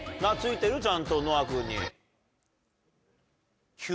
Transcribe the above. ちゃんと乃愛君に。